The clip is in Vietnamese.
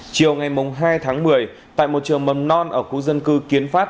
chiều ngày hai tháng một mươi tại một trường mầm non ở khu dân cư kiến phát